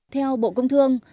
theo bộ công thương